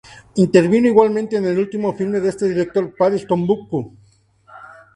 Intervino igualmente en el último filme de este director: "París-Tombuctú".